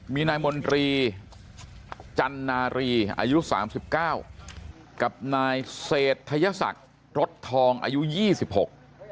มีนายมนตรีจันนารีอายุสามสิบเก้ากับนายเศรษฐศักดิ์รถทองอายุยี่สิบหก